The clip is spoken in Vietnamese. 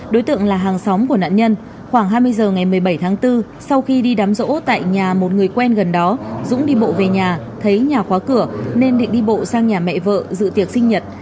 đối tượng là hàng xóm của nạn nhân khoảng hai mươi giờ ngày một mươi bảy tháng bốn sau khi đi đám rỗ tại nhà một người quen gần đó dũng đi bộ về nhà thấy nhà khóa cửa nên định đi bộ sang nhà mẹ vợ dự tiệc sinh nhật